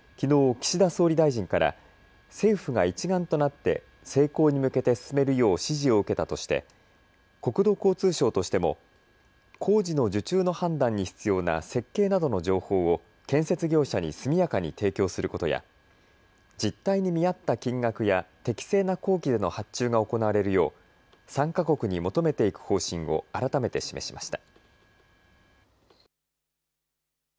岸田総理大臣から政府が一丸となって成功に向けて進めるよう指示を受けたとして国土交通省としても工事の受注の判断に必要な設計などの情報を建設業者に速やかに提供することや実態に見合った金額や適正な工期での発注が行われるよう参加国に求めていく方針を改めて示しました。